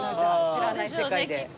『知らない世界』で。